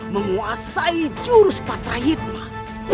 menguasai jurus patra hitman